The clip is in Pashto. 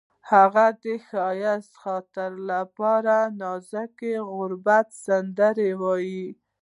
هغې د ښایسته خاطرو لپاره د نازک غروب سندره ویله.